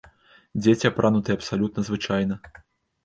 Дзеці апранутыя абсалютна звычайна.